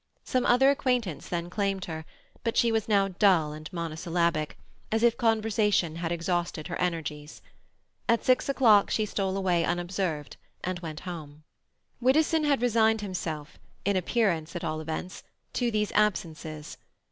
Some other acquaintance then claimed her, but she was now dull and monosyllabic, as if conversation had exhausted her energies. At six o'clock she stole away unobserved, and went home. Widdowson had resigned himself, in appearance at all events, to these absences.